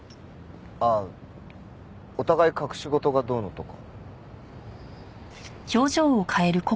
ああお互い隠し事がどうのとか。